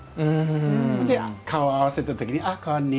ほんで顔を合わせた時に「あっこんにちは。